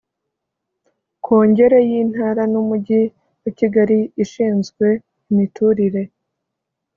kongere y intara n umujyi wa kigali ishinzwe imiturire